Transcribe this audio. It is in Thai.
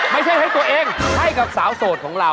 ไม่ใช่ให้ตัวเองให้กับสาวโสดของเรา